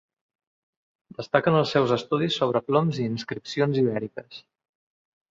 Destaquen els seus estudis sobre ploms i inscripcions ibèriques.